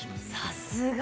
さすが！